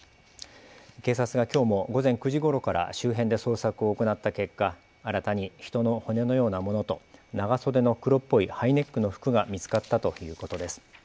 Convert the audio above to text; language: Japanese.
警察がきょうも午前９時ごろから周辺で捜索を行った結果、新たに人の骨のようなものと長袖の黒っぽいハイネックの服が見つかったということです。